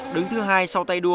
đứng thứ hai sau tay đua